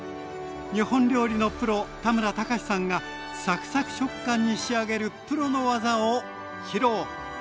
日本料理のプロ田村隆さんがサクサク食感に仕上げるプロの技を披露。